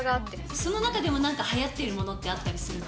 その中でも何かはやっているものってあったりするの？